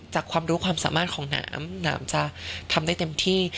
ความรู้ความสามารถของน้ำน้ำจะทำได้เต็มที่